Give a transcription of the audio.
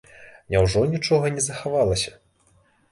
Няўжо нічога не захавалася?